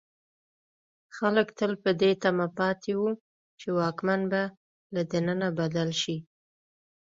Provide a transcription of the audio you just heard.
خلک تل په دې تمه پاتې وو چې واکمن به له دننه بدل شي.